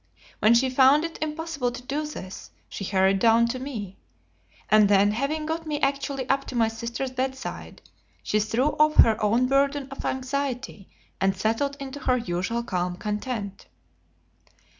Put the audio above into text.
When she found it impossible to do this, she hurried down to me. And then having got me actually up to my sister's bedside, she threw off her own burden of anxiety and settled into her usual calm content.